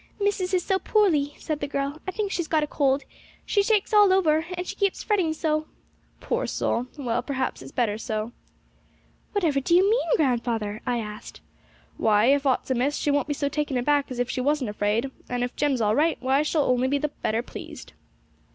'Missis is so poorly,' said the girl; 'I think she's got a cold: she shakes all over, and she keeps fretting so.' 'Poor soul! well, perhaps it's better so.' 'Whatever do you mean, grandfather?' I asked. 'Why, if aught's amiss, she won't be so taken aback as if she wasn't afraid; and if Jem's all right, why, she'll only be the better pleased.'